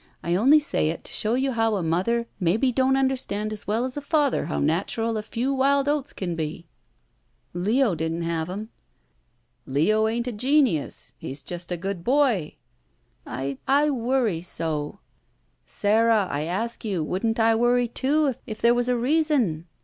I only say it to show you how a mother maybe don't under stand as well as a father how natural a few wild oats can be." "L Leo didn't have 'em." "Leo ain't a genius. He's just a good boy." "I— I worry so!" "Sara, I adc you, wouldn't I worry, too, if there was a reason?